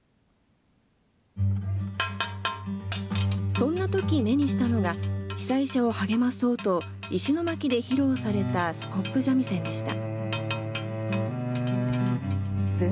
そんなとき、目にしたのが、被災者を励まそうと、石巻で披露されたスコップ三味線でした。